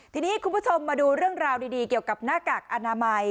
ทีนี้คุณผู้ชมมาดูเรื่องราวดีเกี่ยวกับหน้ากากอนามัย